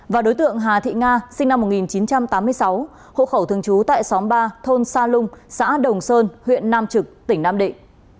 và đối tượng hà thị nga sinh năm một nghìn chín trăm tám mươi sáu hộ khẩu thường trú tại xóm ba thôn sa lung xã đồng sơn huyện nam trực tỉnh nam định